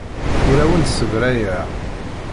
Ur awen-ssebrayeɣ.